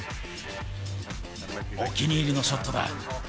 お気に入りのショットだ。